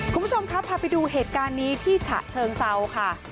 คุณผู้ชมครับพาไปดูเหตุการณ์นี้ที่ฉะเชิงเซาค่ะ